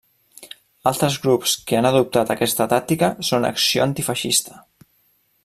Altres grups que han adoptat aquesta tàctica són Acció Antifeixista.